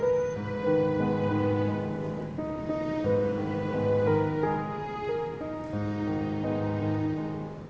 aduh jangan pake nyapu